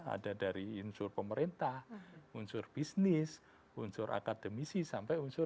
ada dari unsur pemerintah unsur bisnis unsur akademisi sampai unsur